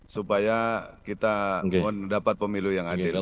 supaya kita mendapat pemilu yang adil